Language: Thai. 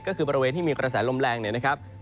ก็คือบริเวณที่มีกระแสลมแรงเนี่ยนะครับ